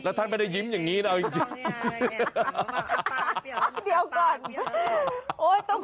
ท่านไม่ได้ยิ้มอย่างนี้นะเอาจริง